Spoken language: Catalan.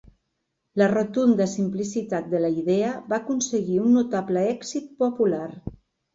La rotunda simplicitat de la idea va aconseguir un notable èxit popular.